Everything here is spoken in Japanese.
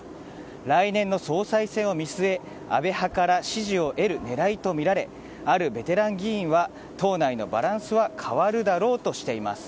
来年の総裁選を見据え安倍派から支持を得る狙いとみられあるベテラン議員は党内のバランスは変わるだろうとしています。